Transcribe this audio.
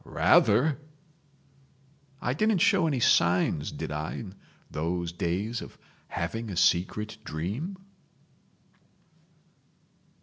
"Rather!" "I didn't show any signs did I in those days of having a secret dream?"